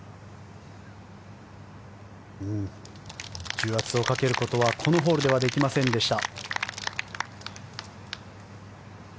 重圧をかけることはこのホールではできませんでした。